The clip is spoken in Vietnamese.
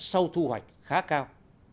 sau thu hoạch khá cao